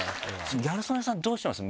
ギャル曽根さんどうしてます？